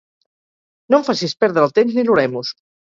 No em facis perdre el temps ni l'oremus.